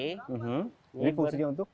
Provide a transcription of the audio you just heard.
ini berfungsi untuk